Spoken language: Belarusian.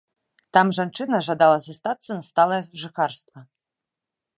Там жанчына жадала застацца на сталае жыхарства.